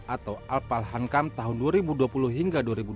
atau al palhanqam tahun dua ribu dua puluh hingga dua ribu dua puluh empat